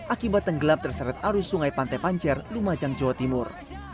akibat tenggelam terseret arus sungai pantai pancer lumajang jawa timur